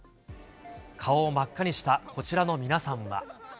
顔を真っ赤にしたこちらの皆さん